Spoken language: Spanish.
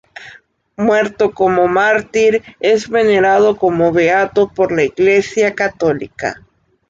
Muerto como mártir, es venerado como beato por la Iglesia católica.